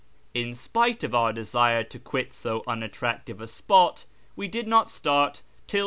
In spite of our desire to quit so unattractive a spot, we did not start till 7.